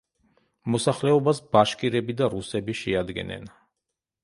მოსახლეობას ბაშკირები და რუსები შეადგენენ.